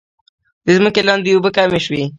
د ځمکې لاندې اوبه کمې شوي؟